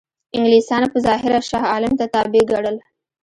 انګلیسانو په ظاهره شاه عالم ته تابع ګڼل.